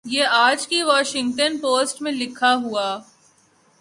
یہ آج کی واشنگٹن پوسٹ میں لکھا ہوا ۔